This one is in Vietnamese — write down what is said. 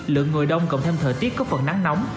lượng người đông cộng thêm thời tiết có phần nắng nóng